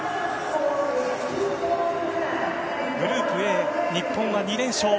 グループＡ、日本は２連勝。